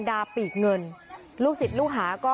สวัสดีครับทุกคน